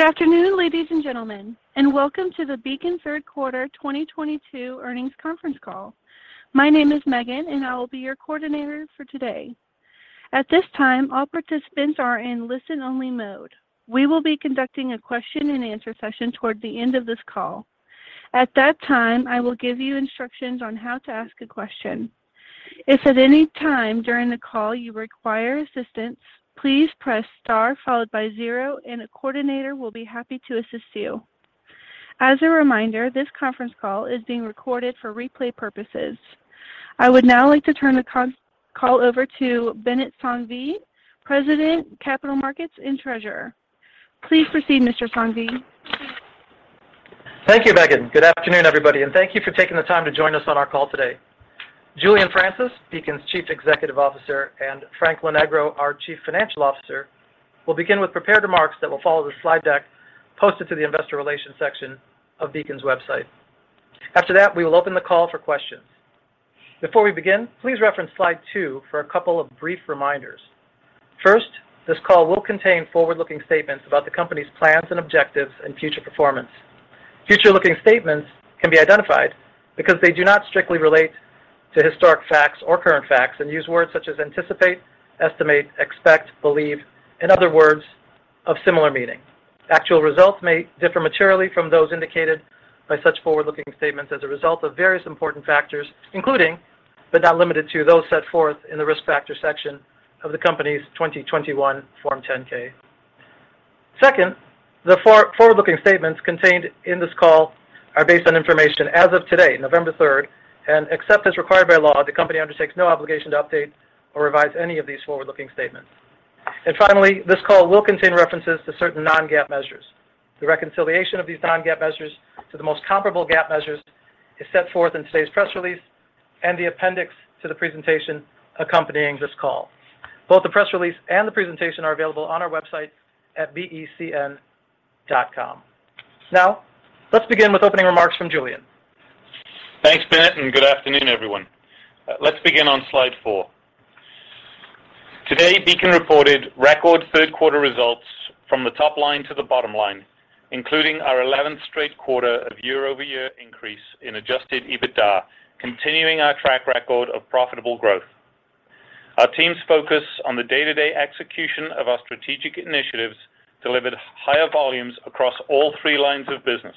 Good afternoon, ladies and gentlemen, and welcome to the Beacon third quarter 2022 earnings conference call. My name is Megan, and I will be your coordinator for today. At this time, all participants are in listen-only mode. We will be conducting a question-and-answer session toward the end of this call. At that time, I will give you instructions on how to ask a question. If at any time during the call you require assistance, please press star followed by 0, and a coordinator will be happy to assist you. As a reminder, this conference call is being recorded for replay purposes. I would now like to turn the call over to Binit Sanghvi, President, Capital Markets and Treasurer. Please proceed, Mr. Sanghvi. Thank you, Megan. Good afternoon, everybody, and thank you for taking the time to join us on our call today. Julian Francis, Beacon's Chief Executive Officer, and Frank Lonegro, our Chief Financial Officer, will begin with prepared remarks that will follow the slide deck posted to the investor relations section of Beacon's website. After that, we will open the call for questions. Before we begin, please reference slide two for a couple of brief reminders. First, this call will contain forward-looking statements about the company's plans and objectives and future performance. Forward-looking statements can be identified because they do not strictly relate to historical facts or current facts and use words such as anticipate, estimate, expect, believe, and other words of similar meaning. Actual results may differ materially from those indicated by such forward-looking statements as a result of various important factors, including, but not limited to, those set forth in the Risk Factors section of the company's 2021 Form 10-K. Second, the forward-looking statements contained in this call are based on information as of today, November 3rd, and except as required by law, the company undertakes no obligation to update or revise any of these forward-looking statements. Finally, this call will contain references to certain non-GAAP measures. The reconciliation of these non-GAAP measures to the most comparable GAAP measures is set forth in today's press release and the appendix to the presentation accompanying this call. Both the press release and the presentation are available on our website at becn.com. Now let's begin with opening remarks from Julian. Thanks, Binit, and good afternoon, everyone. Let's begin on slide four. Today, Beacon reported record third quarter results from the top line to the bottom line, including our eleventh straight quarter of year-over-year increase in Adjusted EBITDA, continuing our track record of profitable growth. Our team's focus on the day-to-day execution of our strategic initiatives delivered higher volumes across all three lines of business,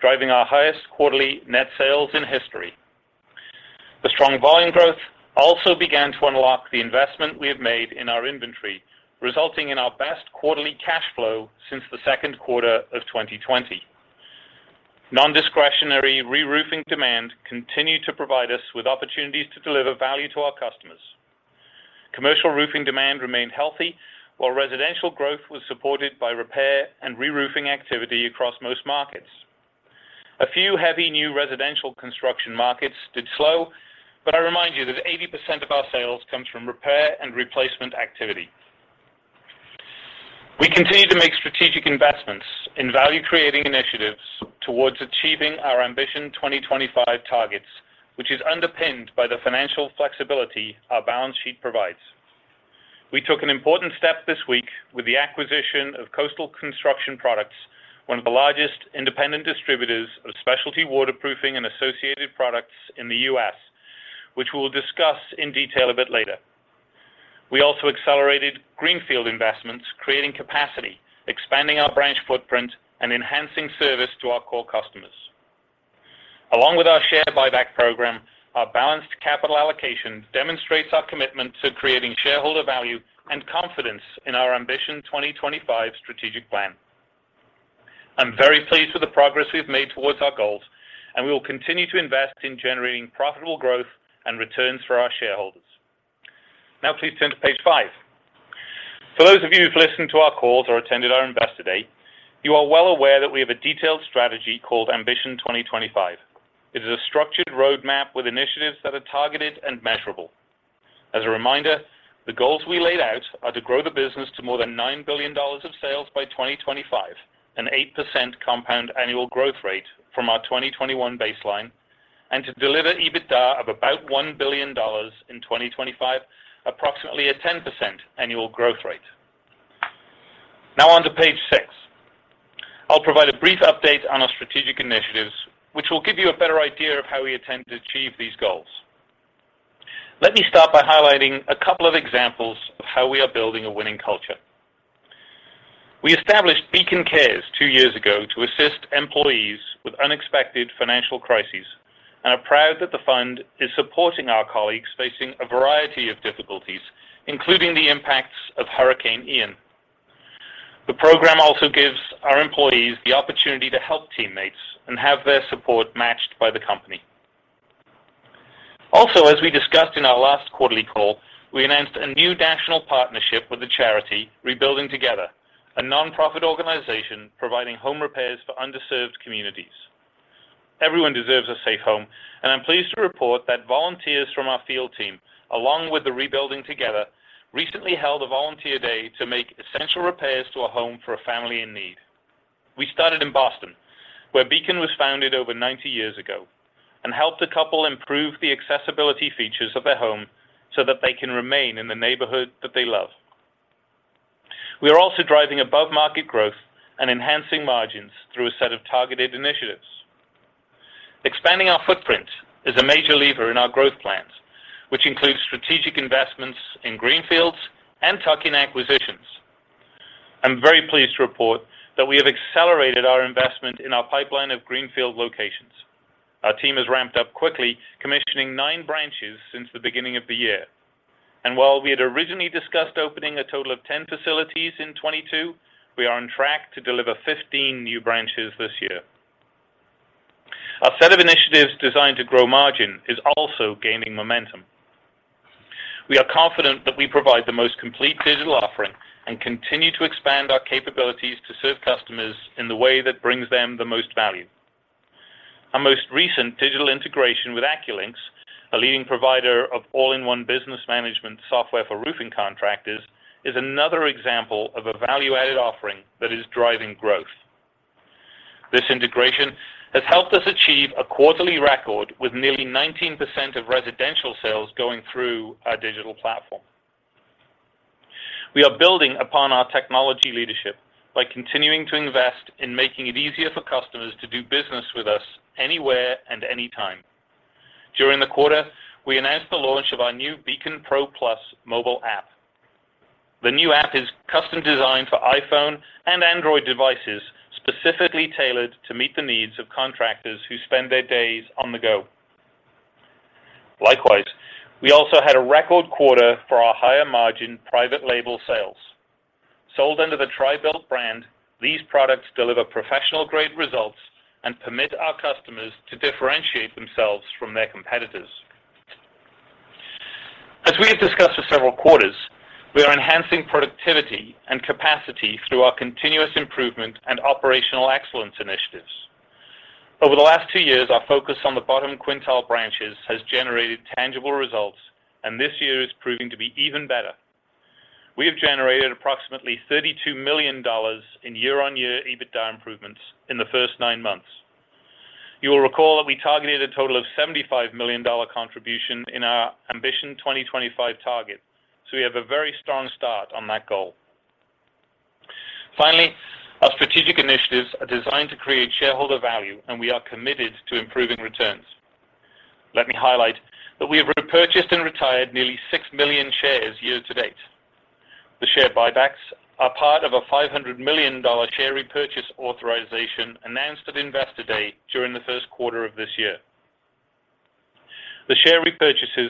driving our highest quarterly net sales in history. The strong volume growth also began to unlock the investment we have made in our inventory, resulting in our best quarterly cash flow since the second quarter of 2020. Non-discretionary reroofing demand continued to provide us with opportunities to deliver value to our customers. Commercial roofing demand remained healthy while residential growth was supported by repair and reroofing activity across most markets. A few heavy new residential construction markets did slow, but I remind you that 80% of our sales comes from repair and replacement activity. We continue to make strategic investments in value-creating initiatives towards achieving our Ambition 2025 targets, which is underpinned by the financial flexibility our balance sheet provides. We took an important step this week with the acquisition of Coastal Construction Products, one of the largest independent distributors of specialty waterproofing and associated products in the U.S., which we'll discuss in detail a bit later. We also accelerated greenfield investments, creating capacity, expanding our branch footprint, and enhancing service to our core customers. Along with our share buyback program, our balanced capital allocation demonstrates our commitment to creating shareholder value and confidence in our Ambition 2025 strategic plan. I'm very pleased with the progress we've made towards our goals, and we will continue to invest in generating profitable growth and returns for our shareholders. Now, please turn to page five. For those of you who've listened to our calls or attended our Investor Day, you are well aware that we have a detailed strategy called Ambition 2025. It is a structured roadmap with initiatives that are targeted and measurable. As a reminder, the goals we laid out are to grow the business to more than $9 billion of sales by 2025, an 8% compound annual growth rate from our 2021 baseline, and to deliver EBITDA of about $1 billion in 2025, approximately a 10% annual growth rate. Now on to page six. I'll provide a brief update on our strategic initiatives, which will give you a better idea of how we intend to achieve these goals. Let me start by highlighting a couple of examples of how we are building a winning culture. We established Beacon Cares two years ago to assist employees with unexpected financial crises and are proud that the fund is supporting our colleagues facing a variety of difficulties, including the impacts of Hurricane Ian. The program also gives our employees the opportunity to help teammates and have their support matched by the company. Also, as we discussed in our last quarterly call, we announced a new national partnership with the charity Rebuilding Together, a nonprofit organization providing home repairs for underserved communities. Everyone deserves a safe home, and I'm pleased to report that volunteers from our field team, along with Rebuilding Together, recently held a volunteer day to make essential repairs to a home for a family in need. We started in Boston, where Beacon was founded over ninety years ago and helped a couple improve the accessibility features of their home so that they can remain in the neighborhood that they love. We are also driving above-market growth and enhancing margins through a set of targeted initiatives. Expanding our footprint is a major lever in our growth plans, which includes strategic investments in greenfields and tuck-in acquisitions. I'm very pleased to report that we have accelerated our investment in our pipeline of greenfield locations. Our team has ramped up quickly, commissioning nine branches since the beginning of the year. While we had originally discussed opening a total of 10 facilities in 2022, we are on track to deliver 15 new branches this year. Our set of initiatives designed to grow margin is also gaining momentum. We are confident that we provide the most complete digital offering and continue to expand our capabilities to serve customers in the way that brings them the most value. Our most recent digital integration with AccuLynx, a leading provider of all-in-one business management software for roofing contractors, is another example of a value-added offering that is driving growth. This integration has helped us achieve a quarterly record with nearly 19% of residential sales going through our digital platform. We are building upon our technology leadership by continuing to invest in making it easier for customers to do business with us anywhere and anytime. During the quarter, we announced the launch of our new Beacon PRO+ mobile app. The new app is custom-designed for iPhone and Android devices, specifically tailored to meet the needs of contractors who spend their days on the go. Likewise, we also had a record quarter for our higher-margin private label sales. Sold under the TRI-BUILT brand, these products deliver professional-grade results and permit our customers to differentiate themselves from their competitors. As we have discussed for several quarters, we are enhancing productivity and capacity through our continuous improvement and operational excellence initiatives. Over the last two years, our focus on the bottom quintile branches has generated tangible results, and this year is proving to be even better. We have generated approximately $32 million in year-on-year EBITDA improvements in the first nine months. You will recall that we targeted a total of $75 million contribution in our Ambition 2025 target. We have a very strong start on that goal. Finally, our strategic initiatives are designed to create shareholder value, and we are committed to improving returns. Let me highlight that we have repurchased and retired nearly 6 million shares year-to-date. The share buybacks are part of a $500 million share repurchase authorization announced at Investor Day during the first quarter of this year. The share repurchases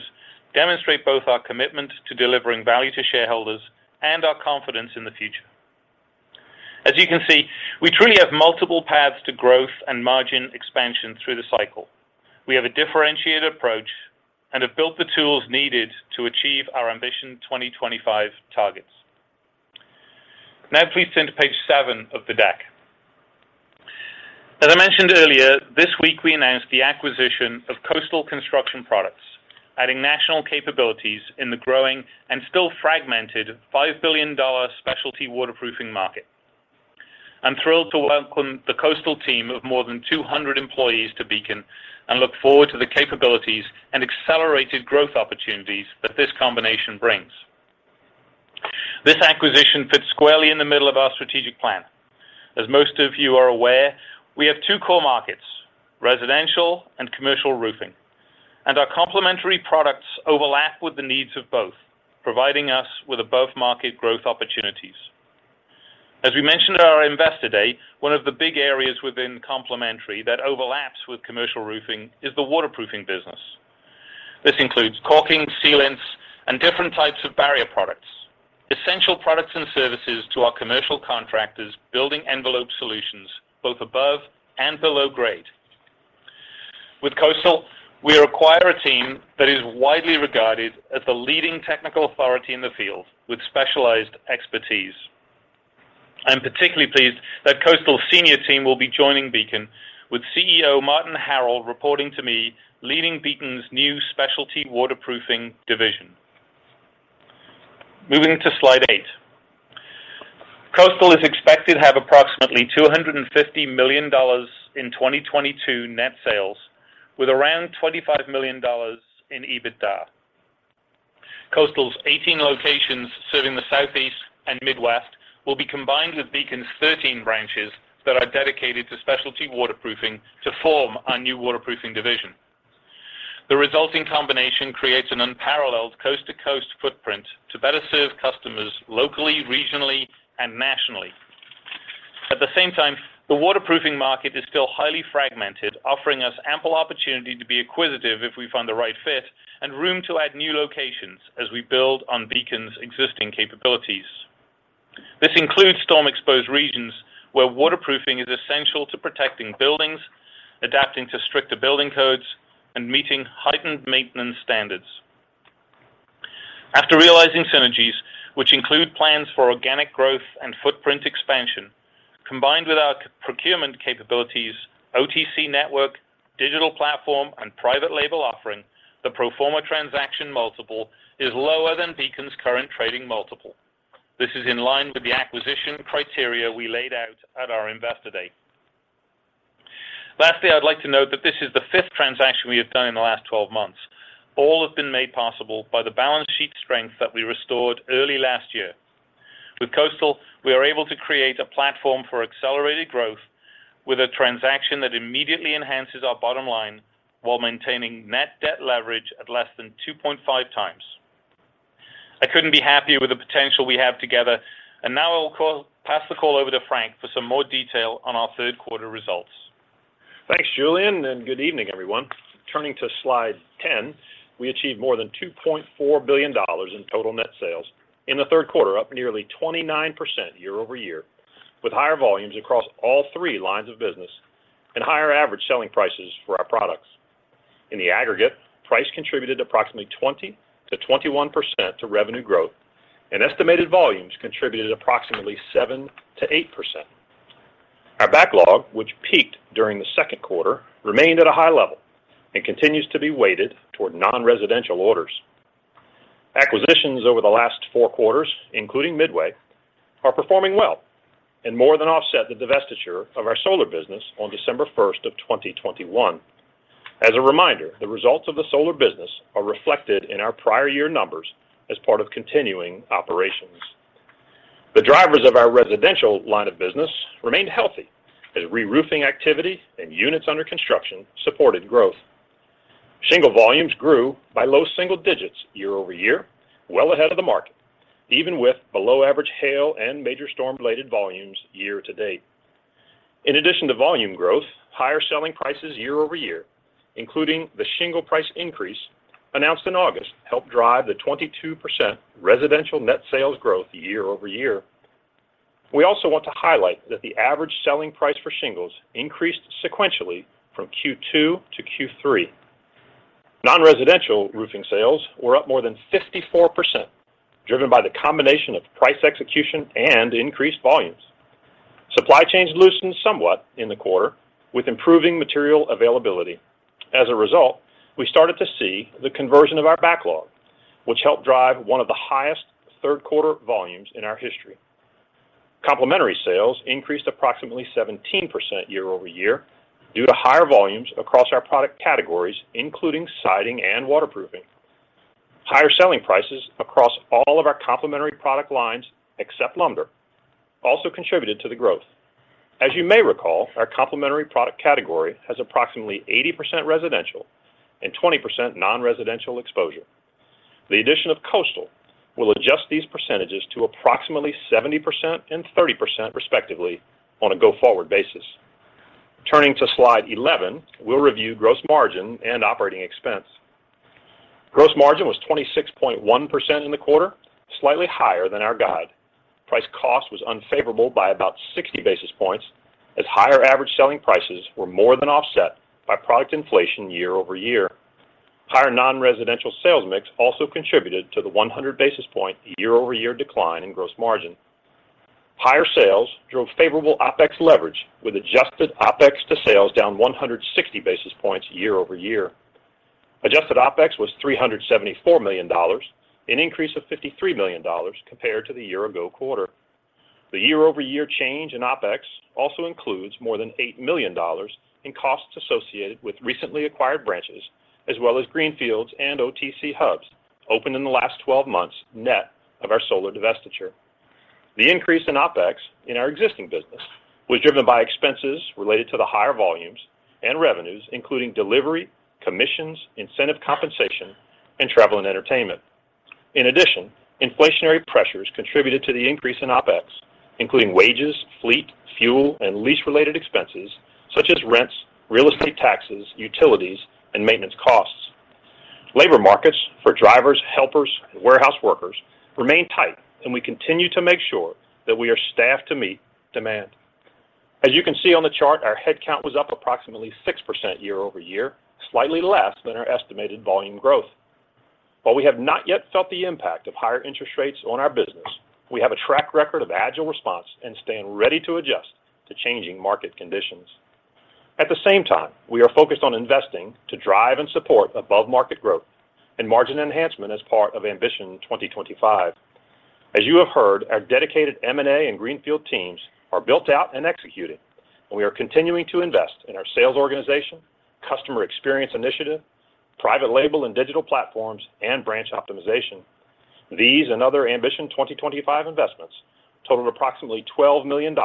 demonstrate both our commitment to delivering value to shareholders and our confidence in the future. As you can see, we truly have multiple paths to growth and margin expansion through the cycle. We have a differentiated approach and have built the tools needed to achieve our Ambition 2025 targets. Now, please turn to page seven of the deck. As I mentioned earlier, this week we announced the acquisition of Coastal Construction Products, adding national capabilities in the growing and still fragmented $5 billion specialty waterproofing market. I'm thrilled to welcome the Coastal team of more than 200 employees to Beacon and look forward to the capabilities and accelerated growth opportunities that this combination brings. This acquisition fits squarely in the middle of our strategic plan. As most of you are aware, we have two core markets, residential and commercial roofing, and our complementary products overlap with the needs of both, providing us with above-market growth opportunities. As we mentioned at our Investor Day, one of the big areas within complementary that overlaps with commercial roofing is the waterproofing business. This includes caulking, sealants, and different types of barrier products, essential products and services to our commercial contractors building envelope solutions both above and below grade. With Coastal, we acquire a team that is widely regarded as the leading technical authority in the field with specialized expertise. I am particularly pleased that Coastal's senior team will be joining Beacon with CEO Martin Harrell reporting to me, leading Beacon's new specialty waterproofing division. Moving to Slide eight. Coastal is expected to have approximately $250 million in 2022 net sales with around $25 million in EBITDA. Coastal's 18 locations serving the Southeast and Midwest will be combined with Beacon's 13 branches that are dedicated to specialty waterproofing to form our new waterproofing division. The resulting combination creates an unparalleled coast-to-coast footprint to better serve customers locally, regionally, and nationally. At the same time, the waterproofing market is still highly fragmented, offering us ample opportunity to be acquisitive if we find the right fit and room to add new locations as we build on Beacon's existing capabilities. This includes storm-exposed regions where waterproofing is essential to protecting buildings, adapting to stricter building codes, and meeting heightened maintenance standards. After realizing synergies, which include plans for organic growth and footprint expansion, combined with our procurement capabilities, OTC network, digital platform, and private label offering, the pro forma transaction multiple is lower than Beacon's current trading multiple. This is in line with the acquisition criteria we laid out at our Investor Day. Lastly, I'd like to note that this is the fifth transaction we have done in the last 12 months. All have been made possible by the balance sheet strength that we restored early last year. With Coastal, we are able to create a platform for accelerated growth with a transaction that immediately enhances our bottom line while maintaining net debt leverage at less than 2.5x. I couldn't be happier with the potential we have together. Now I will pass the call over to Frank for some more detail on our third quarter results. Thanks, Julian, and good evening, everyone. Turning to slide 10, we achieved more than $2.4 billion in total net sales in the third quarter, up nearly 29% year-over-year, with higher volumes across all three lines of business and higher average selling prices for our products. In the aggregate, price contributed approximately 20%-21% to revenue growth, and estimated volumes contributed approximately 7%-8%. Our backlog, which peaked during the second quarter, remained at a high level and continues to be weighted toward non-residential orders. Acquisitions over the last four quarters, including Midway, are performing well and more than offset the divestiture of our solar business on December 1st, 2021. As a reminder, the results of the solar business are reflected in our prior year numbers as part of continuing operations. The drivers of our residential line of business remained healthy as reroofing activity and units under construction supported growth. Shingle volumes grew by low single digits year-over-year, well ahead of the market, even with below-average hail and major storm-related volumes year-to-date. In addition to volume growth, higher selling prices year-over-year, including the shingle price increase announced in August, helped drive the 22% residential net sales growth year-over-year. We also want to highlight that the average selling price for shingles increased sequentially from Q2 to Q3. Non-residential roofing sales were up more than 54%, driven by the combination of price execution and increased volumes. Supply chains loosened somewhat in the quarter with improving material availability. As a result, we started to see the conversion of our backlog, which helped drive one of the highest third-quarter volumes in our history. Complementary sales increased approximately 17% year-over-year due to higher volumes across our product categories, including siding and waterproofing. Higher selling prices across all of our complementary product lines, except lumber, also contributed to the growth. As you may recall, our complementary product category has approximately 80% residential and 20% non-residential exposure. The addition of Coastal will adjust these percentages to approximately 70% and 30% respectively on a go-forward basis. Turning to slide 11, we'll review gross margin and Operating Expense. Gross margin was 26.1% in the quarter, slightly higher than our guide. Price-cost was unfavorable by about 60 basis points, as higher average selling prices were more than offset by product inflation year-over-year. Higher non-residential sales mix also contributed to the 100 basis points year-over-year decline in gross margin. Higher sales drove favorable OpEx leverage, with Adjusted OpEx to sales down 160 basis points year-over-year. Adjusted OpEx was $374 million, an increase of $53 million compared to the year-ago quarter. The year-over-year change in OpEx also includes more than $8 million in costs associated with recently acquired branches, as well as greenfields and OTC hubs opened in the last 12 months, net of our solar divestiture. The increase in OpEx in our existing business was driven by expenses related to the higher volumes and revenues, including delivery, commissions, incentive compensation, and travel and entertainment. In addition, inflationary pressures contributed to the increase in OpEx, including wages, fleet, fuel, and lease-related expenses, such as rents, real estate taxes, utilities, and maintenance costs. Labor markets for drivers, helpers, and warehouse workers remain tight, and we continue to make sure that we are staffed to meet demand. As you can see on the chart, our headcount was up approximately 6% year-over-year, slightly less than our estimated volume growth. While we have not yet felt the impact of higher interest rates on our business, we have a track record of agile response and stand ready to adjust to changing market conditions. At the same time, we are focused on investing to drive and support above-market growth and margin enhancement as part of Ambition 2025. As you have heard, our dedicated M&A and greenfield teams are built out and executing, and we are continuing to invest in our sales organization, customer experience initiative, private label and digital platforms, and branch optimization. These and other Ambition 2025 investments totaled approximately $12 million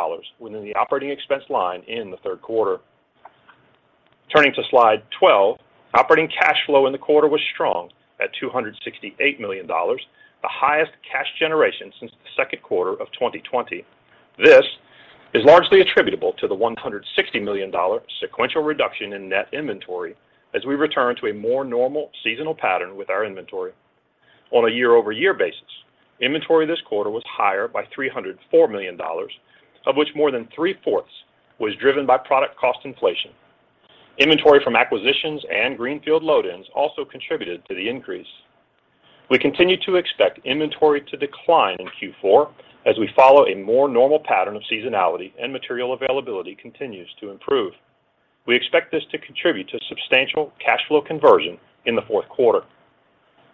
within the Operating Expense line in the third quarter. Turning to slide 12, operating cash flow in the quarter was strong at $268 million, the highest cash generation since the second quarter of 2020. This is largely attributable to the $160 million sequential reduction in net inventory as we return to a more normal seasonal pattern with our inventory. On a year-over-year basis, inventory this quarter was higher by $304 million, of which more than 3/4 was driven by product cost inflation. Inventory from acquisitions and greenfield load-ins also contributed to the increase. We continue to expect inventory to decline in Q4 as we follow a more normal pattern of seasonality and material availability continues to improve. We expect this to contribute to substantial cash flow conversion in the fourth quarter.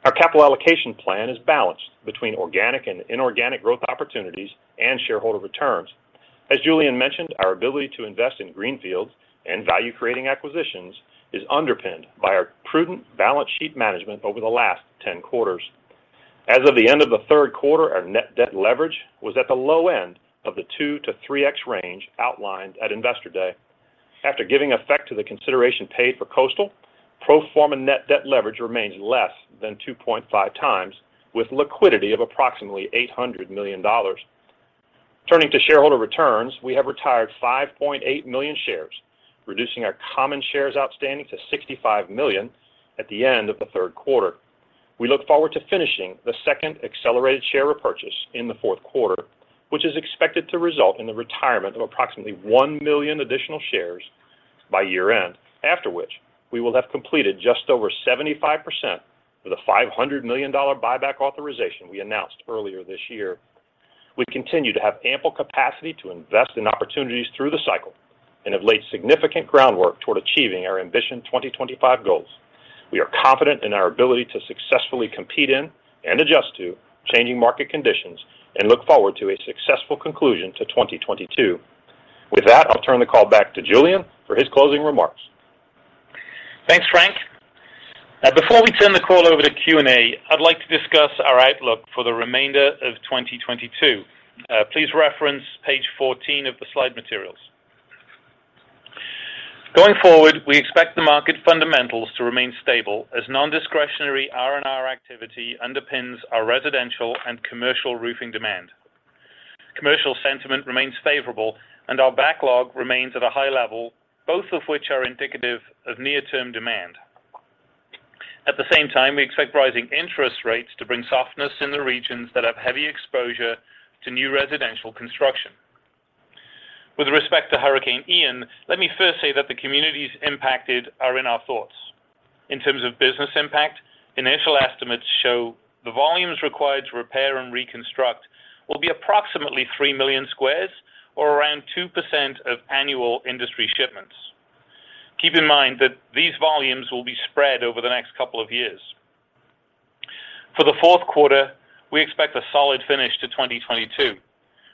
Our capital allocation plan is balanced between organic and inorganic growth opportunities and shareholder returns. As Julian mentioned, our ability to invest in greenfields and value-adding acquisitions is underpinned by our prudent balance sheet management over the last 10 quarters. As of the end of the third quarter, our net debt leverage was at the low end of the 2-3x range outlined at Investor Day. After giving effect to the consideration paid for Coastal, pro forma net debt leverage remains less than 2.5x, with liquidity of approximately $800 million. Turning to shareholder returns, we have retired 5.8 million shares, reducing our common shares outstanding to 65 million at the end of the third quarter. We look forward to finishing the second accelerated share repurchase in the fourth quarter, which is expected to result in the retirement of approximately 1 million additional shares by year-end, after which we will have completed just over 75% of the $500 million buyback authorization we announced earlier this year. We continue to have ample capacity to invest in opportunities through the cycle and have laid significant groundwork toward achieving our Ambition 2025 goals. We are confident in our ability to successfully compete in and adjust to changing market conditions and look forward to a successful conclusion to 2022. With that, I'll turn the call back to Julian for his closing remarks. Thanks, Frank. Now, before we turn the call over to Q&A, I'd like to discuss our outlook for the remainder of 2022. Please reference page 14 of the slide materials. Going forward, we expect the market fundamentals to remain stable as nondiscretionary R&R activity underpins our residential and commercial roofing demand. Commercial sentiment remains favorable, and our backlog remains at a high level, both of which are indicative of near-term demand. At the same time, we expect rising interest rates to bring softness in the regions that have heavy exposure to new residential construction. With respect to Hurricane Ian, let me first say that the communities impacted are in our thoughts. In terms of business impact, initial estimates show the volumes required to repair and reconstruct will be approximately 3 million squares or around 2% of annual industry shipments. Keep in mind that these volumes will be spread over the next couple of years. For the fourth quarter, we expect a solid finish to 2022.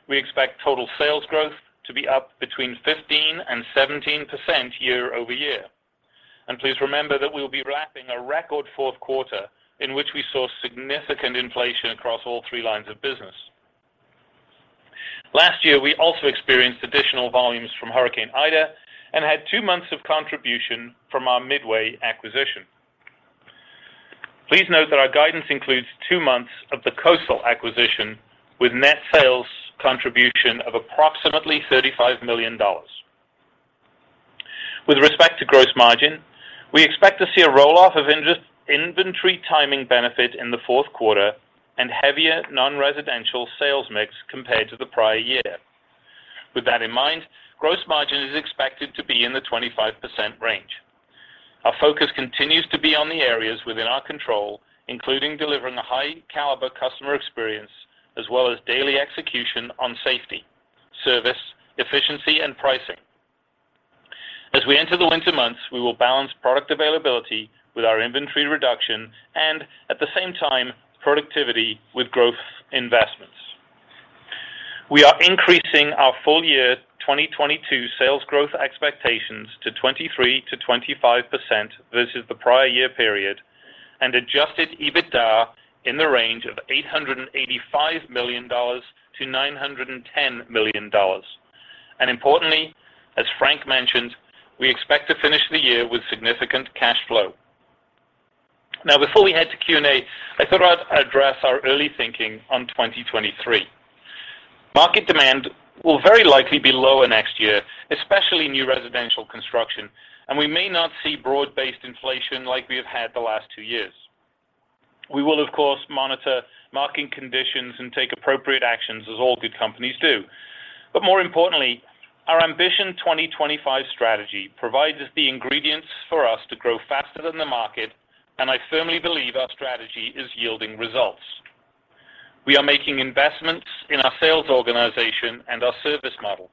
We expect total sales growth to be up between 15% and 17% year-over-year. Please remember that we will be wrapping a record fourth quarter in which we saw significant inflation across all three lines of business. Last year, we also experienced additional volumes from Hurricane Ida and had two months of contribution from our Midway acquisition. Please note that our guidance includes two months of the Coastal acquisition, with net sales contribution of approximately $35 million. With respect to gross margin, we expect to see a roll-off of interest-inventory timing benefit in the fourth quarter and heavier non-residential sales mix compared to the prior year. With that in mind, gross margin is expected to be in the 25% range. Our focus continues to be on the areas within our control, including delivering a high-caliber customer experience as well as daily execution on safety, service, efficiency, and pricing. As we enter the winter months, we will balance product availability with our inventory reduction and at the same time, productivity with growth investments. We are increasing our full-year 2022 sales growth expectations to 23%-25% versus the prior year period and Adjusted EBITDA in the range of $885 million-$910 million. Importantly, as Frank mentioned, we expect to finish the year with significant cash flow. Now before we head to Q&A, I thought I'd address our early thinking on 2023. Market demand will very likely be lower next year, especially new residential construction, and we may not see broad-based inflation like we have had the last two years. We will, of course, monitor market conditions and take appropriate actions as all good companies do. More importantly, our Ambition 2025 strategy provides us the ingredients for us to grow faster than the market, and I firmly believe our strategy is yielding results. We are making investments in our sales organization and our service model.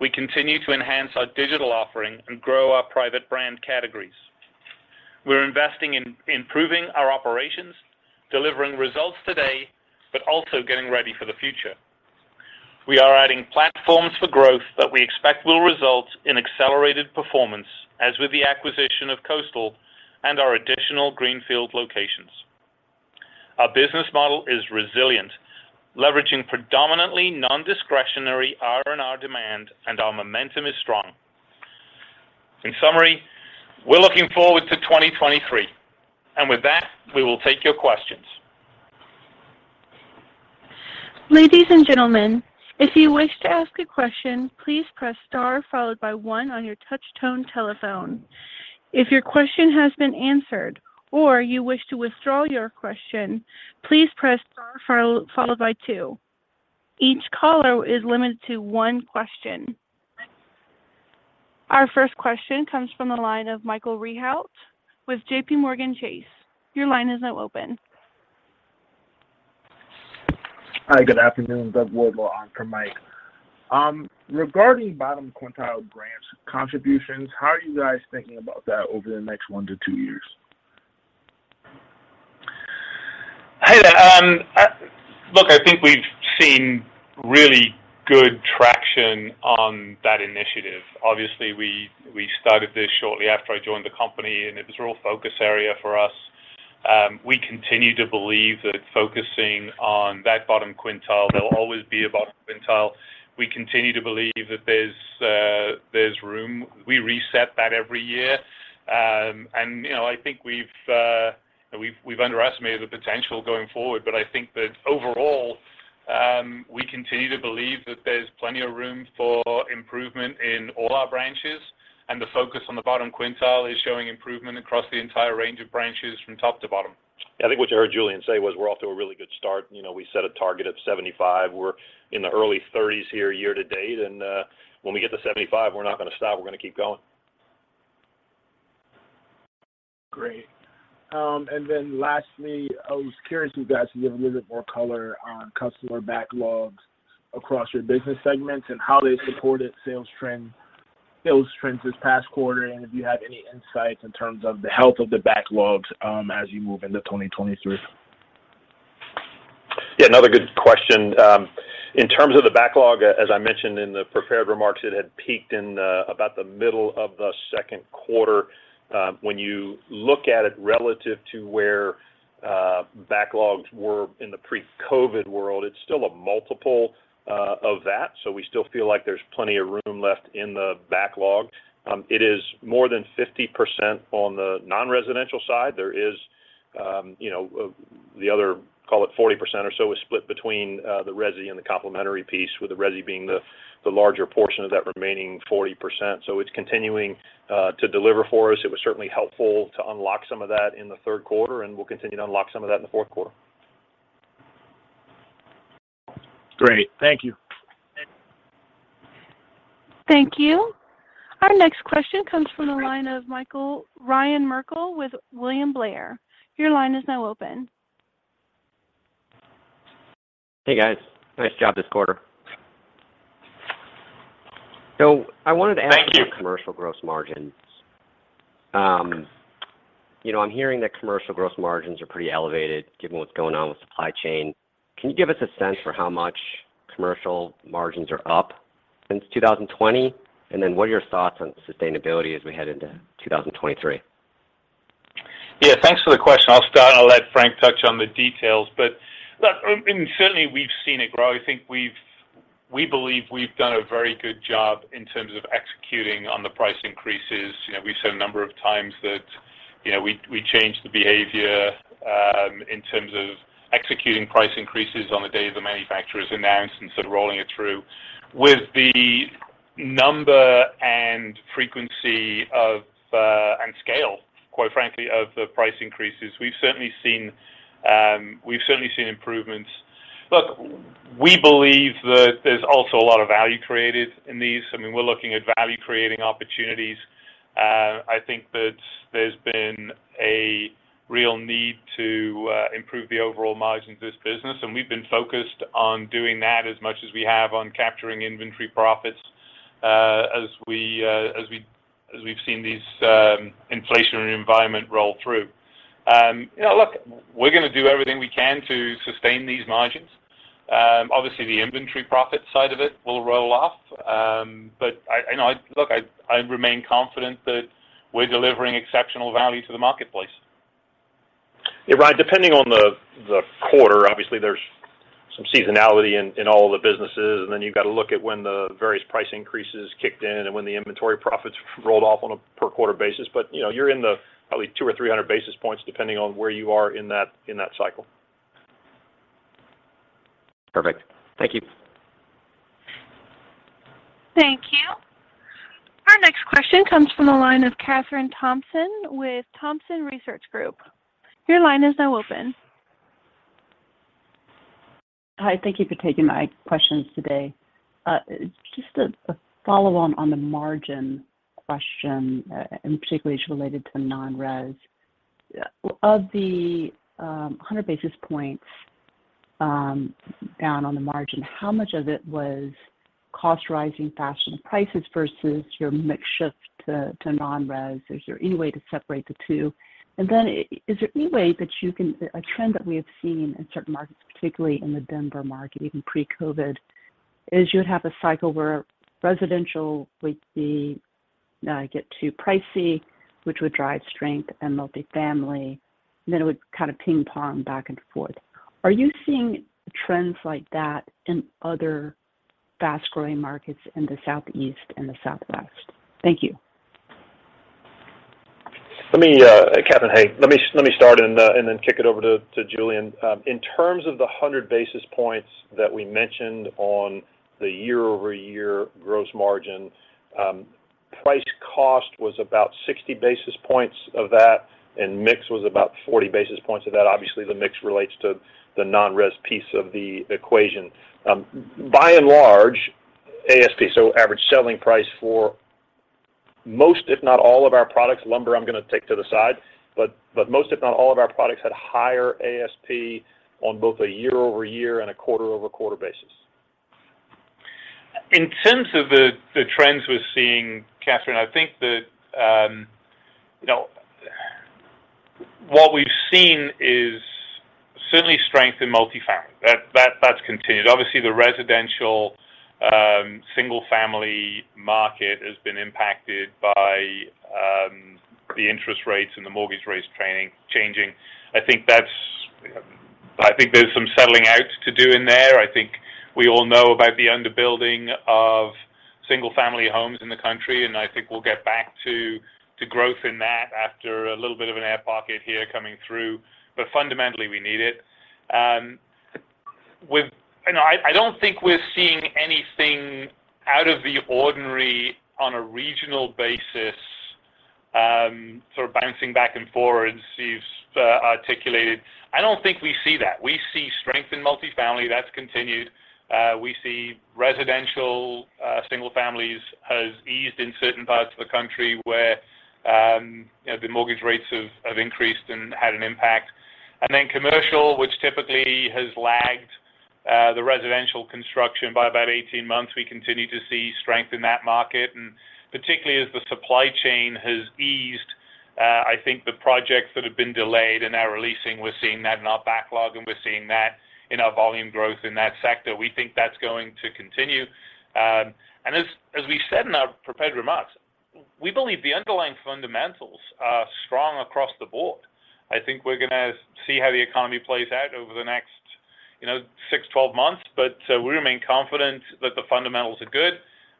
We continue to enhance our digital offering and grow our private brand categories. We're investing in improving our operations, delivering results today, but also getting ready for the future. We are adding platforms for growth that we expect will result in accelerated performance, as with the acquisition of Coastal and our additional greenfield locations. Our business model is resilient, leveraging predominantly nondiscretionary R&R demand, and our momentum is strong. In summary, we're looking forward to 2023. With that, we will take your questions. Ladies and gentlemen, if you wish to ask a question, please press star followed by one on your touch tone telephone. If your question has been answered or you wish to withdraw your question, please press star followed by two. Each caller is limited to one question. Our first question comes from the line of Michael Rehaut with JPMorgan Chase. Your line is now open. Hi, good afternoon. Doug Wardlaw, on for Mike. Regarding bottom quintile branch contributions, how are you guys thinking about that over the next one to two years? Hey there. Look, I think we've seen really good traction on that initiative. Obviously, we started this shortly after I joined the company, and it was a real focus area for us. We continue to believe that focusing on that bottom quintile, there'll always be a bottom quintile. We continue to believe that there's room. We reset that every year. You know, I think we've underestimated the potential going forward. I think that overall, we continue to believe that there's plenty of room for improvement in all our branches, and the focus on the bottom quintile is showing improvement across the entire range of branches from top to bottom. Yeah, I think what you heard Julian say was we're off to a really good start. You know, we set a target of 75. We're in the early 30s here year-to-date, and when we get to 75, we're not gonna stop. We're gonna keep going. Great. Lastly, I was curious if you guys could give a little bit more color on customer backlogs across your business segments and how they supported sales trends this past quarter, and if you have any insights in terms of the health of the backlogs, as you move into 2023. Yeah, another good question. In terms of the backlog, as I mentioned in the prepared remarks, it had peaked in about the middle of the second quarter. When you look at it relative to where backlogs were in the pre-COVID world, it's still a multiple of that, so we still feel like there's plenty of room left in the backlog. It is more than 50% on the non-residential side. There is, you know, the other, call it 40% or so is split between the resi and the complementary piece, with the resi being the larger portion of that remaining 40%. So it's continuing to deliver for us. It was certainly helpful to unlock some of that in the third quarter, and we'll continue to unlock some of that in the fourth quarter. Great. Thank you. Thank you. Our next question comes from the line of Ryan Merkel with William Blair. Your line is now open. Hey, guys. Nice job this quarter. I wanted to ask. Thank you. About commercial gross margins. You know, I'm hearing that commercial gross margins are pretty elevated given what's going on with supply chain. Can you give us a sense for how much commercial margins are up since 2020? What are your thoughts on sustainability as we head into 2023? Yeah, thanks for the question. I'll start, and I'll let Frank touch on the details. Look, I mean, certainly we've seen it grow. I think we believe we've done a very good job in terms of executing on the price increases. You know, we've said a number of times that, you know, we changed the behavior in terms of executing price increases on the day the manufacturers announced instead of rolling it through. With the number and frequency of and scale, quite frankly, of the price increases, we've certainly seen improvements. Look, we believe that there's also a lot of value created in these. I mean, we're looking at value-creating opportunities. I think that there's been a real need to improve the overall margins of this business, and we've been focused on doing that as much as we have on capturing inventory profits, as we've seen these inflationary environment roll through. You know, look, we're gonna do everything we can to sustain these margins. Obviously the inventory profit side of it will roll off. I you know, I remain confident that we're delivering exceptional value to the marketplace. Yeah, Ryan, depending on the quarter, obviously there's some seasonality in all the businesses, and then you've got to look at when the various price increases kicked in and when the inventory profits rolled off on a per quarter basis. You know, you're in the probably 200 or 300 basis points depending on where you are in that cycle. Perfect. Thank you. Thank you. Our next question comes from the line of Kathryn Thompson with Thompson Research Group. Your line is now open. Hi. Thank you for taking my questions today. Just a follow-on on the margin question, and particularly as related to non-res. Of the 100 basis points down on the margin, how much of it was costs rising faster than prices versus your mix shift to non-res? Is there any way to separate the two? A trend that we have seen in certain markets, particularly in the Denver market, even pre-COVID, is you would have a cycle where residential would get too pricey, which would drive strength in multifamily, and then it would kind of ping-pong back and forth. Are you seeing trends like that in other fast-growing markets in the Southeast and the Southwest? Thank you. Let me, Kathryn, hey. Let me start and then kick it over to Julian. In terms of the 100 basis points that we mentioned on the year-over-year gross margin, price cost was about 60 basis points of that, and mix was about 40 basis points of that. Obviously, the mix relates to the non-res piece of the equation. By and large, ASP, so average selling price for most, if not all of our products, lumber I'm gonna take to the side, but most, if not all of our products had higher ASP on both a year-over-year and a quarter-over-quarter basis. In terms of the trends we're seeing, Kathryn, I think that, you know, what we've seen is certainly strength in multifamily. That's continued. Obviously, the residential, single-family market has been impacted by, the interest rates and the mortgage rates changing. I think that's. I think there's some settling out to do in there. I think we all know about the underbuilding of single-family homes in the country, and I think we'll get back to growth in that after a little bit of an air pocket here coming through. Fundamentally, we need it. With... You know I don't think we're seeing anything out of the ordinary on a regional basis, sort of bouncing back and forward as [Steve's] articulated. I don't think we see that. We see strength in multifamily, that's continued. We see residential, single families has eased in certain parts of the country where, you know, the mortgage rates have increased and had an impact. Commercial, which typically has lagged the residential construction by about 18 months, we continue to see strength in that market. Particularly as the supply chain has eased, I think the projects that have been delayed and now releasing, we're seeing that in our backlog, and we're seeing that in our volume growth in that sector. We think that's going to continue. As we said in our prepared remarks, we believe the underlying fundamentals are strong across the board. I think we're gonna see how the economy plays out over the next, you know, six, 12 months. We remain confident that the fundamentals are good,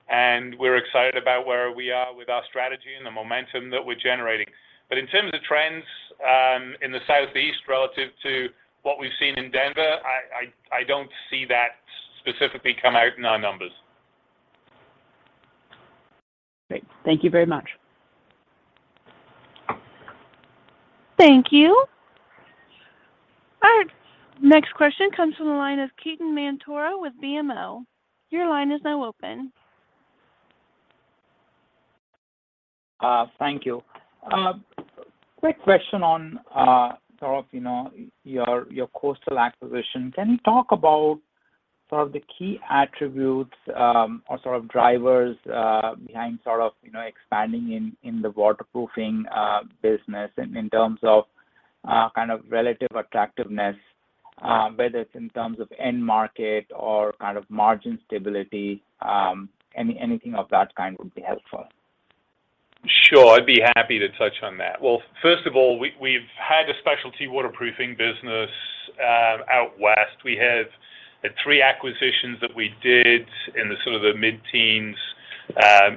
and we're excited about where we are with our strategy and the momentum that we're generating. In terms of trends, in the southeast relative to what we've seen in Denver, I don't see that specifically come out in our numbers. Great. Thank you very much. Thank you. All right. Next question comes from the line of Ketan Mamtora with BMO. Your line is now open. Thank you. Quick question on sort of, you know, your Coastal acquisition. Can you talk about sort of the key attributes or sort of drivers behind sort of, you know, expanding in the waterproofing business in terms of kind of relative attractiveness, whether it's in terms of end market or kind of margin stability, anything of that kind would be helpful. Sure. I'd be happy to touch on that. Well, first of all, we've had a specialty waterproofing business out west. We have had three acquisitions that we did in the sort of the mid-teens,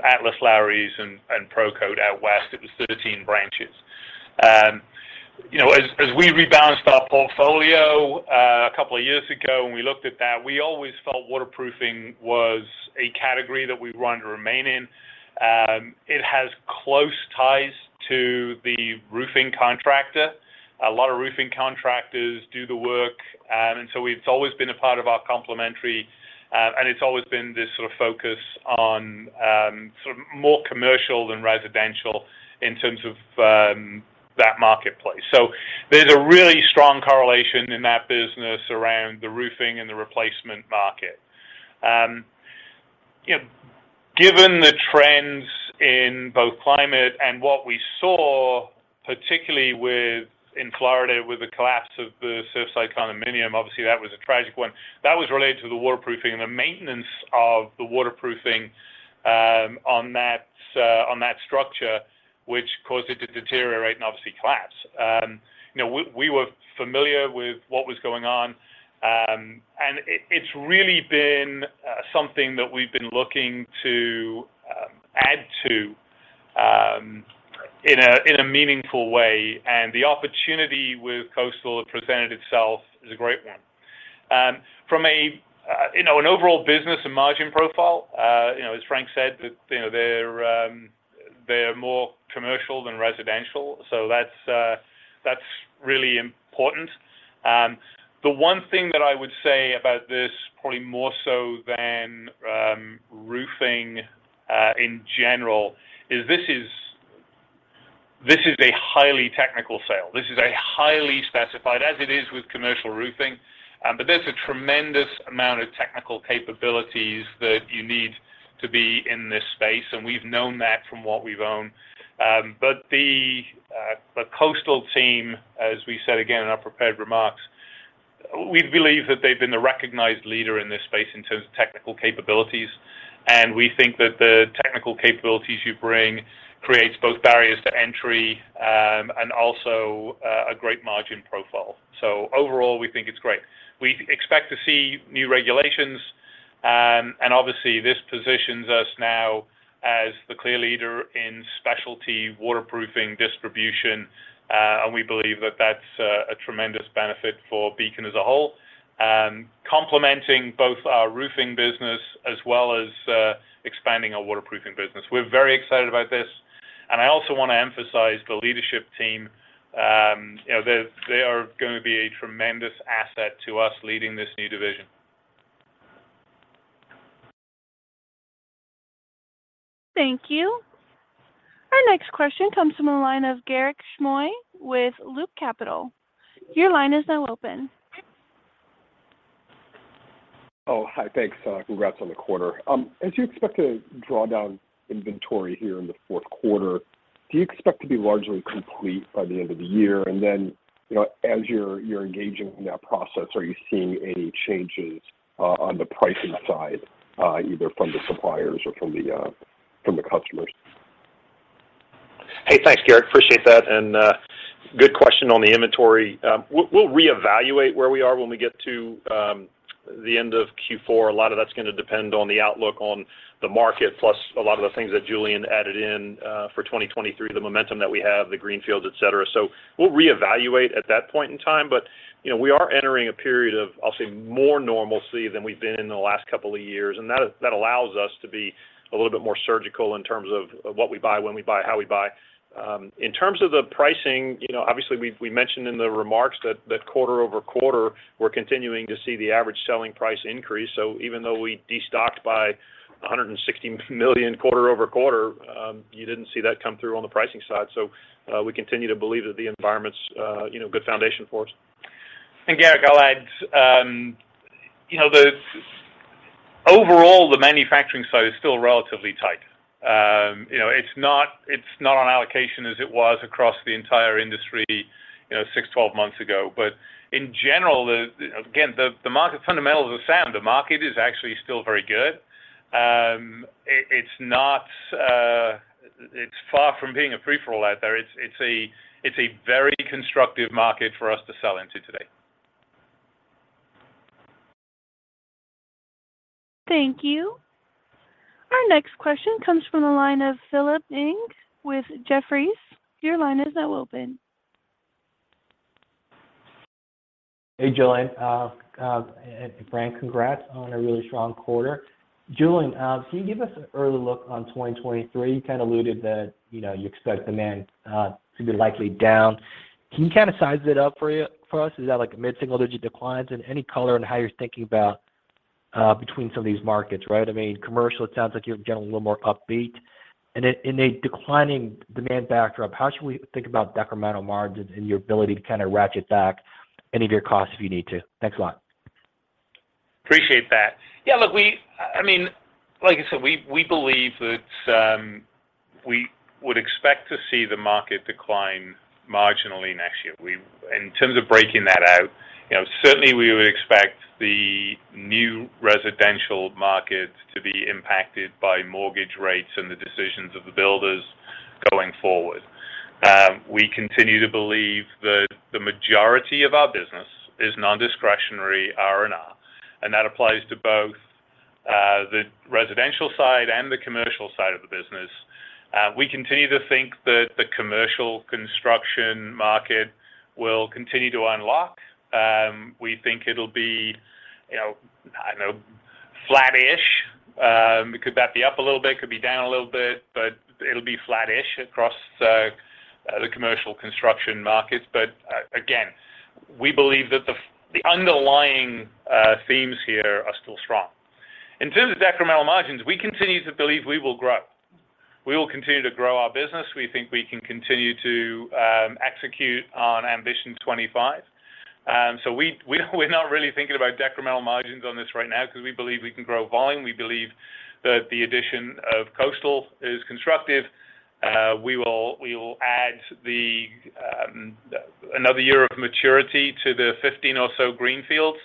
Atlas, Lowry's, and ProCoat out west. It was 13 branches. You know, as we rebalanced our portfolio, a couple of years ago when we looked at that, we always felt waterproofing was a category that we wanted to remain in. It has close ties to the roofing contractor. A lot of roofing contractors do the work, and so it's always been a part of our complementary, and it's always been this sort of focus on, sort of more commercial than residential in terms of, that marketplace. So there's a really strong correlation in that business around the roofing and the replacement market. You know, given the trends in both climate and what we saw, particularly in Florida, with the collapse of the Surfside condominium, obviously, that was a tragic one. That was related to the waterproofing and the maintenance of the waterproofing on that structure, which caused it to deteriorate and obviously collapse. You know, we were familiar with what was going on, and it's really been something that we've been looking to add to in a meaningful way, and the opportunity with Coastal that presented itself is a great one. From a, you know, an overall business and margin profile, you know, as Frank said, that, you know, they're more commercial than residential, so that's really important. The one thing that I would say about this probably more so than roofing in general is this is a highly technical sale. This is a highly specified as it is with commercial roofing, but there's a tremendous amount of technical capabilities that you need to be in this space, and we've known that from what we've owned. The Coastal team, as we said again in our prepared remarks, we believe that they've been the recognized leader in this space in terms of technical capabilities. We think that the technical capabilities you bring creates both barriers to entry and also a great margin profile. Overall, we think it's great. We expect to see new regulations, and obviously, this positions us now as the clear leader in specialty waterproofing distribution. We believe that that's a tremendous benefit for Beacon as a whole, complementing both our roofing business as well as expanding our waterproofing business. We're very excited about this. I also wanna emphasize the leadership team, you know, they are gonna be a tremendous asset to us leading this new division. Thank you. Our next question comes from the line of Garik Shmois with Loop Capital. Your line is now open. Hi. Thanks. Congrats on the quarter. As you expect to draw down inventory here in the fourth quarter, do you expect to be largely complete by the end of the year? Then, you know, as you're engaging in that process, are you seeing any changes on the pricing side, either from the suppliers or from the customers? Hey, thanks, Garik. Appreciate that. Good question on the inventory. We'll reevaluate where we are when we get to the end of Q4. A lot of that's gonna depend on the outlook on the market, plus a lot of the things that Julian added in for 2023, the momentum that we have, the greenfields, et cetera. We'll reevaluate at that point in time. You know, we are entering a period of, I'll say, more normalcy than we've been in the last couple of years, and that allows us to be a little bit more surgical in terms of what we buy, when we buy, how we buy. In terms of the pricing, you know, obviously we mentioned in the remarks that quarter-over-quarter, we're continuing to see the average selling price increase. Even though we destocked by $160 million quarter-over-quarter, you didn't see that come through on the pricing side. We continue to believe that the environment's, you know, a good foundation for us. Garik, I'll add, Overall, the manufacturing side is still relatively tight. It's not on allocation as it was across the entire industry, six, 12 months ago. In general, again, the market fundamentals are sound. The market is actually still very good. It's far from being a free-for-all out there. It's a very constructive market for us to sell into today. Thank you. Our next question comes from the line of Philip Ng with Jefferies. Your line is now open. Hey, Julian. And Frank, congrats on a really strong quarter. Julian, can you give us an early look on 2023? You alluded that, you know, you expect demand to be likely down. Can you size it up for us? Is that like a mid-single-digit declines? And any color on how you're thinking about between some of these markets, right? I mean, commercial, it sounds like you're getting a little more upbeat. And a declining demand backdrop, how should we think about decremental margins and your ability to ratchet back any of your costs if you need to? Thanks a lot. Appreciate that. Yeah, look, I mean, like I said, we believe that we would expect to see the market decline marginally next year. In terms of breaking that out, you know, certainly we would expect the new residential markets to be impacted by mortgage rates and the decisions of the builders going forward. We continue to believe that the majority of our business is nondiscretionary R&R, and that applies to both the residential side and the commercial side of the business. We continue to think that the commercial construction market will continue to unlock. We think it'll be, you know, I don't know, flat-ish. It could be up a little bit, it could be down a little bit, but it'll be flat-ish across the commercial construction markets. We believe that the underlying themes here are still strong. In terms of decremental margins, we continue to believe we will grow. We will continue to grow our business. We think we can continue to execute on Ambition 2025. We're not really thinking about decremental margins on this right now because we believe we can grow volume. We believe that the addition of Coastal is constructive. We will add another year of maturity to the 15 or so greenfields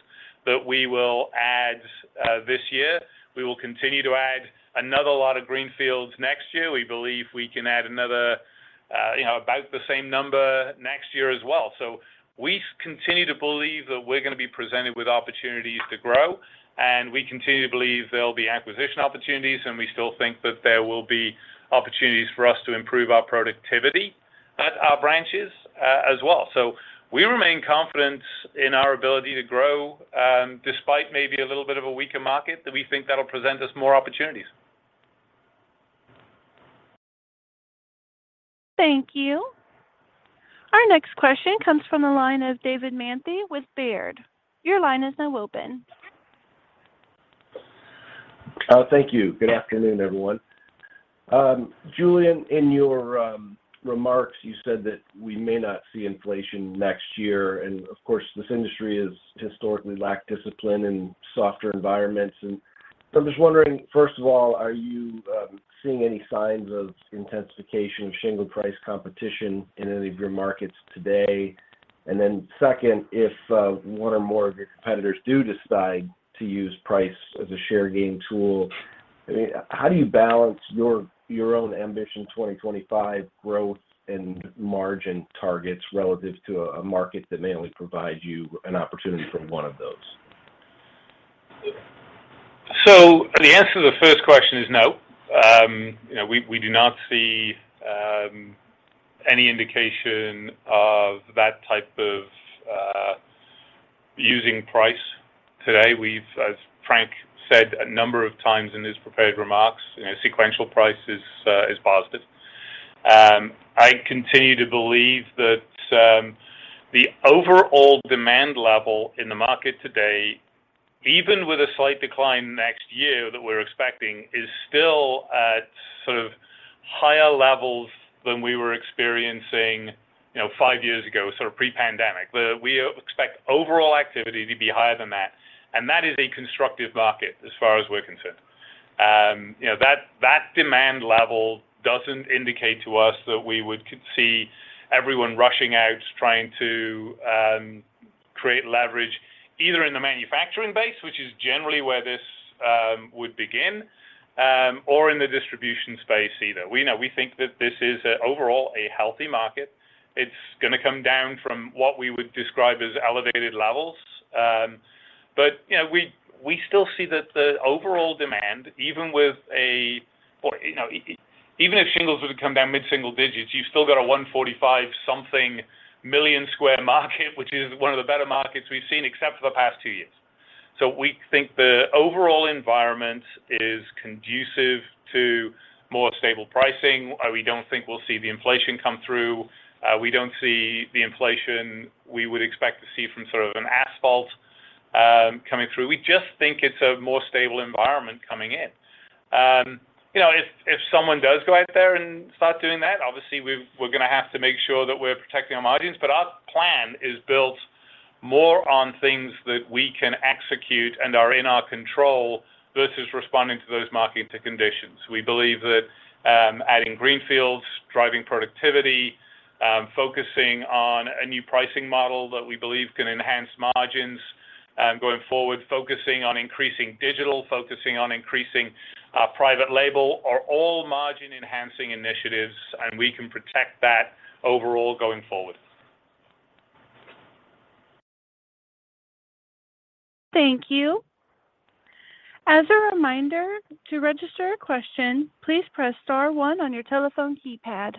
that we will add this year. We will continue to add another lot of greenfields next year. We believe we can add another you know about the same number next year as well. We continue to believe that we're gonna be presented with opportunities to grow, and we continue to believe there'll be acquisition opportunities, and we still think that there will be opportunities for us to improve our productivity at our branches, as well. We remain confident in our ability to grow, despite maybe a little bit of a weaker market that we think that'll present us more opportunities. Thank you. Our next question comes from the line of David Manthey with Baird. Your line is now open. Thank you. Good afternoon, everyone. Julian, in your remarks, you said that we may not see inflation next year. Of course, this industry has historically lacked discipline in softer environments. I'm just wondering, first of all, are you seeing any signs of intensification of shingle price competition in any of your markets today? Then second, if one or more of your competitors do decide to use price as a share gain tool, I mean, how do you balance your own Ambition 2025 growth and margin targets relative to a market that may only provide you an opportunity for one of those? The answer to the first question is no. We do not see any indication of that type of unit pricing today. We've, as Frank said a number of times in his prepared remarks, sequential pricing is positive. I continue to believe that the overall demand level in the market today, even with a slight decline next year that we're expecting, is still at sort of higher levels than we were experiencing, you know, five years ago, sort of pre-pandemic. We expect overall activity to be higher than that, and that is a constructive market as far as we're concerned. You know, that demand level doesn't indicate to us that we would see everyone rushing out, trying to create leverage either in the manufacturing base, which is generally where this would begin, or in the distribution space either. You know, we think that this is overall a healthy market. It's gonna come down from what we would describe as elevated levels. You know, we still see that the overall demand, even with or, you know, even if shingles were to come down mid-single digits, you've still got a 145-something million square market, which is one of the better markets we've seen except for the past two years. We think the overall environment is conducive to more stable pricing. We don't think we'll see the inflation come through. We don't see the inflation we would expect to see from sort of an asphalt coming through. We just think it's a more stable environment coming in. You know, if someone does go out there and start doing that, obviously we're gonna have to make sure that we're protecting our margins. Our plan is built more on things that we can execute and are in our control versus responding to those market conditions. We believe that adding greenfields, driving productivity, focusing on a new pricing model that we believe can enhance margins going forward, focusing on increasing digital, focusing on increasing our private label are all margin-enhancing initiatives, and we can protect that overall going forward. Thank you. As a reminder, to register a question, please press star one on your telephone keypad.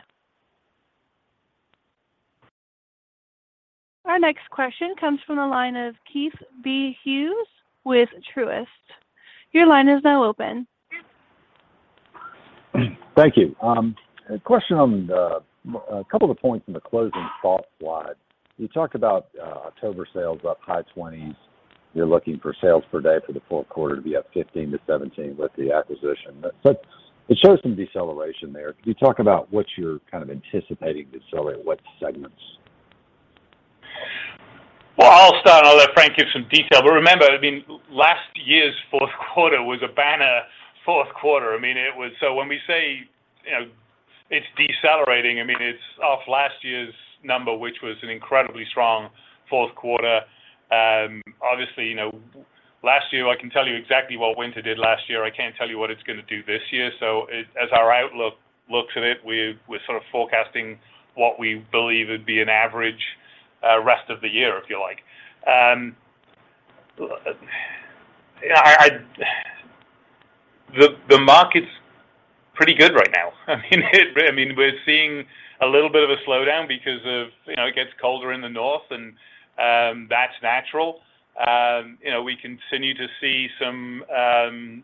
Our next question comes from the line of Keith B. Hughes with Truist. Your line is now open. Thank you. A question on the couple of points in the closing thoughts slide. You talked about October sales up high 20s%. You're looking for sales per day for the fourth quarter to be up 15%-17% with the acquisition. It shows some deceleration there. Can you talk about what you're kind of anticipating decelerate, what segments? Well, I'll start, and I'll let Frank give some detail. Remember, I mean, last year's fourth quarter was a banner fourth quarter. I mean, it was. When we say, you know, it's decelerating, I mean, it's off last year's number, which was an incredibly strong fourth quarter. Obviously, you know, last year, I can tell you exactly what winter did last year. I can't tell you what it's gonna do this year. As our outlook looks at it, we're sort of forecasting what we believe would be an average rest of the year, if you like. The market's pretty good right now. I mean, it, I mean, we're seeing a little bit of a slowdown because of, you know, it gets colder in the north, and that's natural. You know, we continue to see some,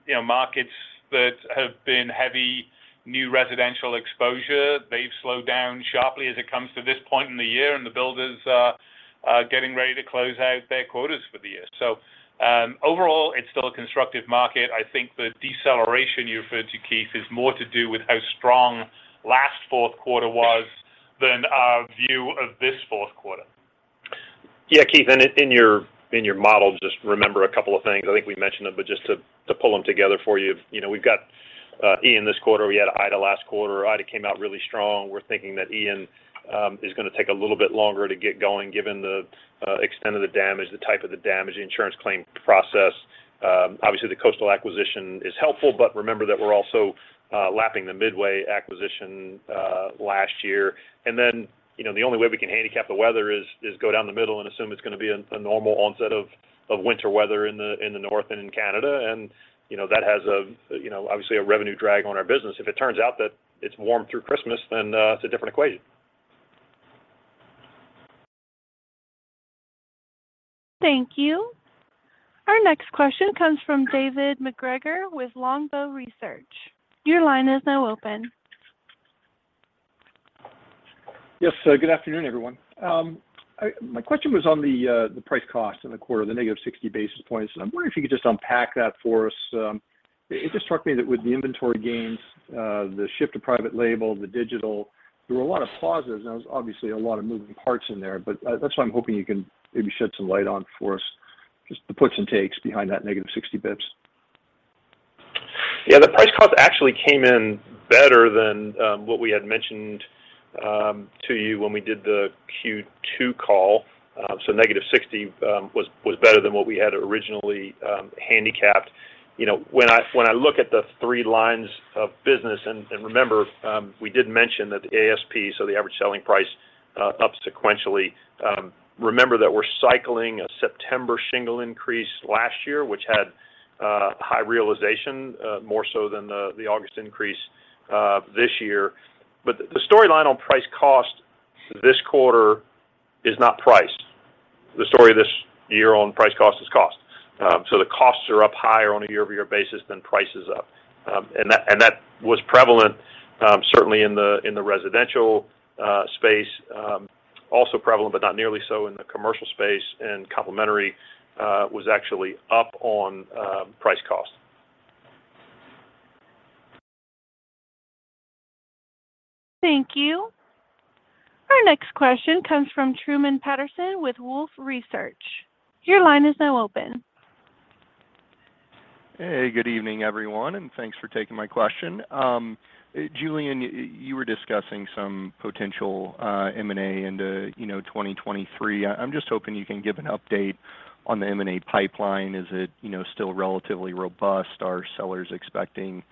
you know, markets that have been heavy new residential exposure. They've slowed down sharply as it comes to this point in the year, and the builders are getting ready to close out their quotas for the year. Overall, it's still a constructive market. I think the deceleration you referred to, Keith, is more to do with how strong last fourth quarter was than our view of this fourth quarter. Yeah, Keith, in your model, just remember a couple of things. I think we mentioned them, but just to pull them together for you. You know, we've got Ian this quarter. We had Ida last quarter. Ida came out really strong. We're thinking that Ian is gonna take a little bit longer to get going given the extent of the damage, the type of the damage, the insurance claim process. Obviously the Coastal acquisition is helpful, but remember that we're also lapping the Midway acquisition last year. You know, the only way we can handicap the weather is go down the middle and assume it's gonna be a normal onset of winter weather in the north and in Canada. You know, that has a, you know, obviously a revenue drag on our business. If it turns out that it's warm through Christmas, then, it's a different equation. Thank you. Our next question comes from David MacGregor with Longbow Research. Your line is now open. Yes. Good afternoon, everyone. My question was on the price cost in the quarter, the negative 60 basis points. I'm wondering if you could just unpack that for us. It just struck me that with the inventory gains, the shift to private label, the digital, there were a lot of pluses, and there was obviously a lot of moving parts in there. That's why I'm hoping you can maybe shed some light on for us, just the puts and takes behind that negative 60 basis points. Yeah, the price cost actually came in better than what we had mentioned to you when we did the Q2 call. -$60 was better than what we had originally handicapped. You know, when I look at the three lines of business. Remember, we did mention that the ASP, so the average selling price, up sequentially. Remember that we're cycling a September shingle increase last year, which had high realization more so than the August increase this year. The storyline on price cost this quarter is not price. The story this year on price cost is cost. The costs are up higher on a year-over-year basis than price is up. That was prevalent certainly in the residential space. Also prevalent, but not nearly so in the commercial space, and complementary was actually up on price cost. Thank you. Our next question comes from Truman Patterson with Wolfe Research. Your line is now open. Hey, good evening, everyone, and thanks for taking my question. Julian, you were discussing some potential M&A into, you know, 2023. I'm just hoping you can give an update on the M&A pipeline. Is it, you know, still relatively robust? Are sellers expecting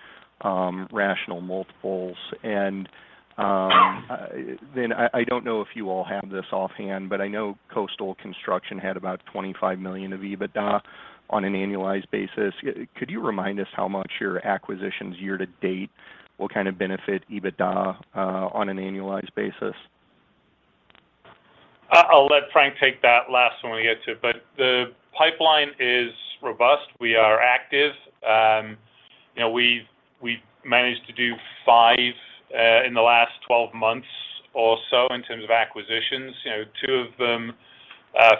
rational multiples? Then I don't know if you all have this offhand, but I know Coastal Construction had about $25 million of EBITDA on an annualized basis. Could you remind us how much your acquisitions year-to-date will kind of benefit EBITDA on an annualized basis? I'll let Frank take that last one when we get to it. The pipeline is robust. We are active. You know, we've managed to do five in the last 12 months or so in terms of acquisitions. You know, two of them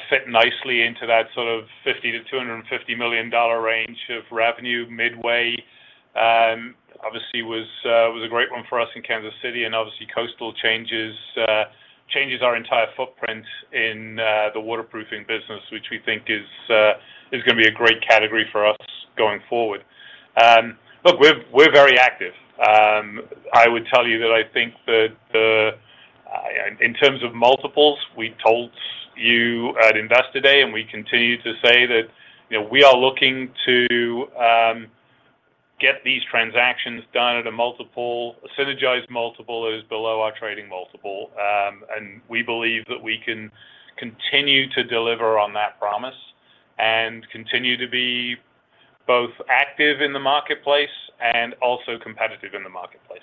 fit nicely into that sort of $50 million-$250 million range of revenue. Midway obviously was a great one for us in Kansas City, and obviously, Coastal changes our entire footprint in the waterproofing business, which we think is gonna be a great category for us going forward. Look, we're very active. I would tell you that I think that the In terms of multiples, we told you at Investor Day, and we continue to say that, you know, we are looking to get these transactions done at a multiple, a synergized multiple is below our trading multiple. We believe that we can continue to deliver on that promise and continue to be both active in the marketplace and also competitive in the marketplace.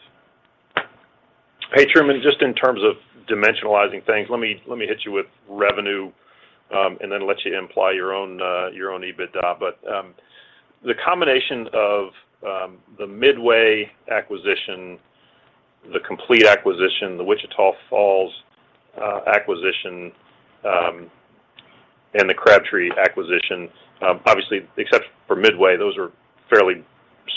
Hey, Truman, just in terms of dimensionalizing things, let me hit you with revenue, and then let you imply your own EBITDA. The combination of the Midway acquisition, the Complete acquisition, the Wichita Falls acquisition, and the Crabtree acquisition, obviously, except for Midway, those are fairly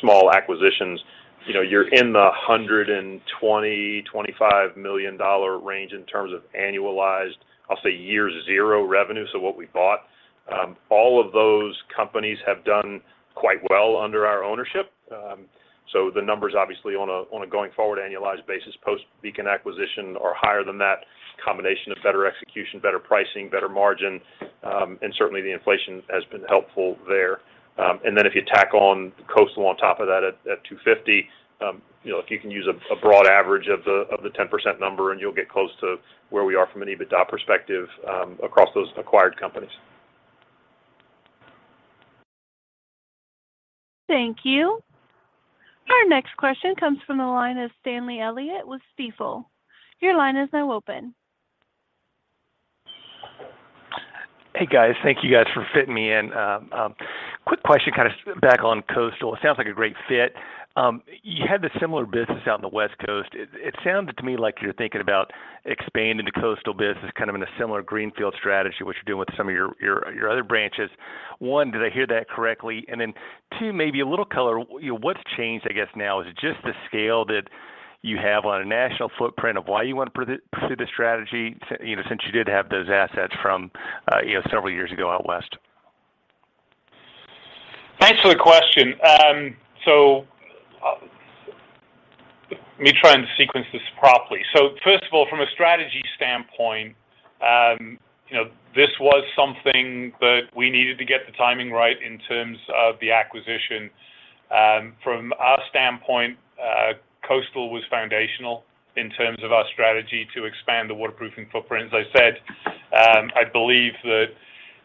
small acquisitions. You know, you're in the $120-$125 million range in terms of annualized, I'll say, year 0 revenue, so what we bought. All of those companies have done quite well under our ownership. The numbers obviously on a going-forward annualized basis post Beacon acquisition are higher than that combination of better execution, better pricing, better margin, and certainly, the inflation has been helpful there. If you tack on Coastal on top of that at $250, you know, if you can use a broad average of the 10% number, and you'll get close to where we are from an EBITDA perspective, across those acquired companies. Thank you. Our next question comes from the line of Stanley Elliott with Stifel. Your line is now open. Hey, guys. Thank you guys for fitting me in. Quick question, kind of back on Coastal. It sounds like a great fit. You had the similar business out in the West Coast. It sounds to me like you're thinking about expanding the Coastal business kind of in a similar greenfield strategy, what you're doing with some of your other branches. One, did I hear that correctly? Two, maybe a little color, you know, what's changed, I guess, now? Is it just the scale that you have on a national footprint of why you wanna pursue this strategy, you know, since you did have those assets from, you know, several years ago out West? Thanks for the question. Let me try and sequence this properly. First of all, from a strategy standpoint, you know, this was something that we needed to get the timing right in terms of the acquisition. From our standpoint, Coastal was foundational in terms of our strategy to expand the waterproofing footprint. As I said, I believe that,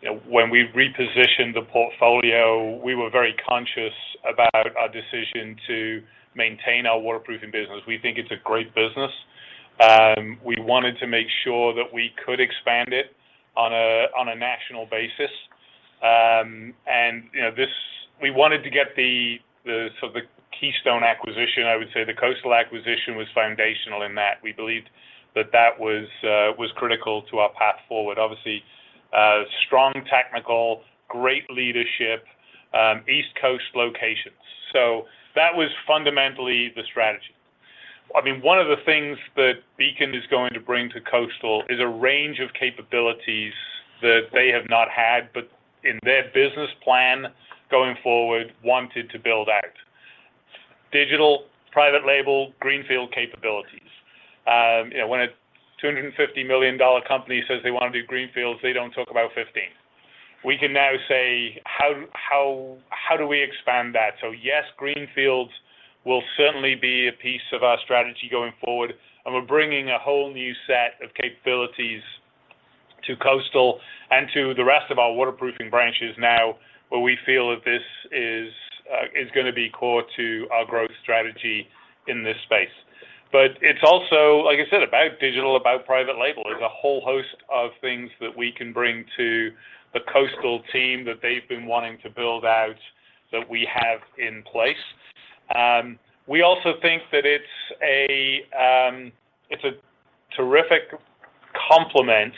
you know, when we repositioned the portfolio, we were very conscious about our decision to maintain our waterproofing business. We think it's a great business. We wanted to make sure that we could expand it on a national basis. And, you know, this. We wanted to get the sort of keystone acquisition. I would say the Coastal acquisition was foundational in that. We believed that that was critical to our path forward. Obviously, strong technical, great leadership, East Coast locations. That was fundamentally the strategy. I mean, one of the things that Beacon is going to bring to Coastal is a range of capabilities that they have not had, but in their business plan going forward, wanted to build out. Digital, private label, greenfield capabilities. You know, when a $250 million company says they wanna do greenfields, they don't talk about 15. We can now say, "How do we expand that?" Yes, greenfields will certainly be a piece of our strategy going forward, and we're bringing a whole new set of capabilities to Coastal and to the rest of our waterproofing branches now, where we feel that this is gonna be core to our growth strategy in this space. It's also, like I said, about digital, about private label. There's a whole host of things that we can bring to the Coastal team that they've been wanting to build out that we have in place. We also think that it's a terrific complement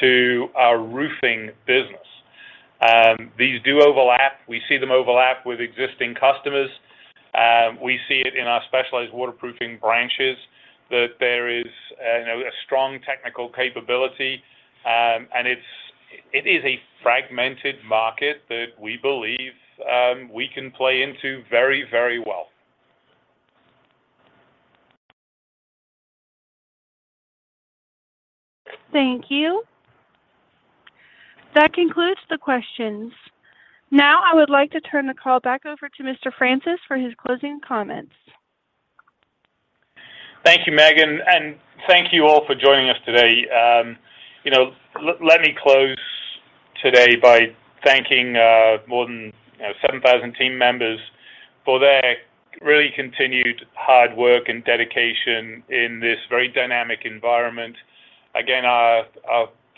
to our roofing business. These do overlap. We see them overlap with existing customers. We see it in our specialized waterproofing branches that there is, you know, a strong technical capability, and it is a fragmented market that we believe we can play into very, very well. Thank you. That concludes the questions. Now, I would like to turn the call back over to Mr. Francis for his closing comments. Thank you, Megan, and thank you all for joining us today. Let me close today by thanking more than 7,000 team members for their really continued hard work and dedication in this very dynamic environment. Our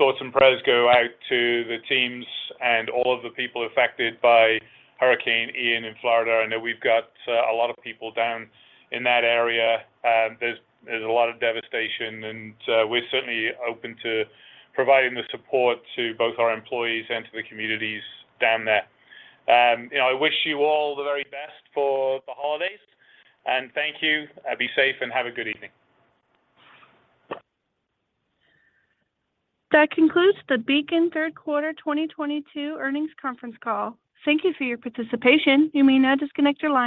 thoughts and prayers go out to the teams and all of the people affected by Hurricane Ian in Florida. I know we've got a lot of people down in that area. There's a lot of devastation, and we're certainly open to providing the support to both our employees and to the communities down there. I wish you all the very best for the holidays, and thank you. Be safe and have a good evening. That concludes the Beacon third quarter 2022 earnings conference call. Thank you for your participation. You may now disconnect your line.